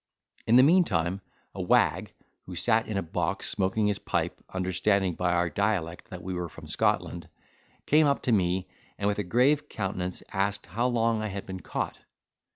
In the meantime, a wag, who sat in a box, smoking his pipe, understanding, by our dialect, that we were from Scotland, came up to me and, with a grave countenance asked how long I had been caught.